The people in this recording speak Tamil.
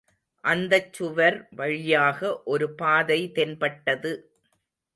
அந்தச் சுவர் வழியாக ஒரு பாதை தென்பட்டது.